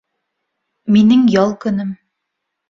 — Минең ял көнөм